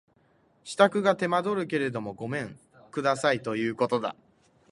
支度が手間取るけれどもごめん下さいとこういうことだ